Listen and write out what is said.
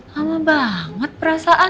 lama banget perasaan